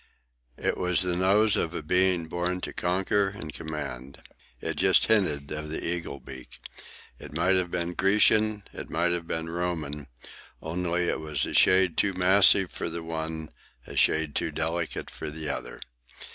It was the nose of a being born to conquer and command. It just hinted of the eagle beak. It might have been Grecian, it might have been Roman, only it was a shade too massive for the one, a shade too delicate for the other.